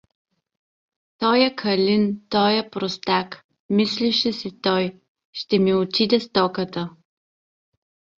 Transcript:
Тоя Калин, тоя простак — мислеше си той, — ще ми отиде стоката!